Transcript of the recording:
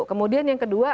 kemudian yang kedua